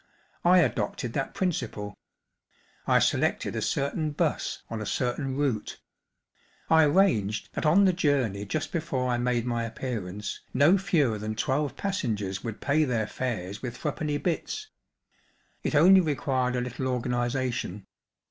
I adopted that principle. I selected a certain bus on a certain route. I arranged that on the journey just before I made my appearance no fewer than twelve pas¬ sengers would pay their fares with threepenny bits. It only required a little organization.